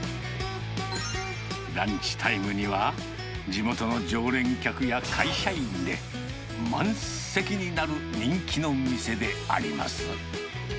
ランチタイムには、地元の常連客や会社員で満席になる人気の店であります。